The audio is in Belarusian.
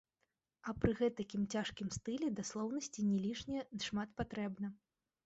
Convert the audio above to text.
А пры гэтакім цяжкім стылі даслоўнасці не лішне шмат патрэбна.